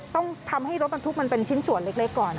ต้องทำให้รถบรรทุกมันเป็นชิ้นส่วนเล็กก่อน